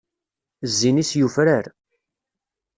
Zzin-is Yufrar.